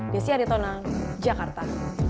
desy aritona jakarta